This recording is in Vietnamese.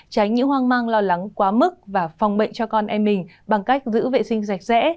tránh những hoang mang lo lắng quá mức và phòng bệnh cho con em mình bằng cách giữ vệ sinh sạch sẽ